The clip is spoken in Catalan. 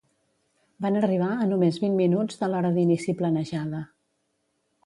Van arribar a només vint minuts de l'hora d'inici planejada.